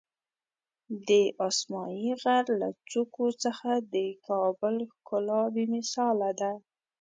د اسمایي غر له څوکو څخه د کابل ښکلا بېمثاله ده.